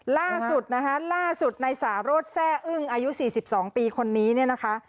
ล่าสุดนะคะล่าสุดในสารสแซ่อึ้งอายุ๔๒ปีคนนี้เนี่ยนะคะ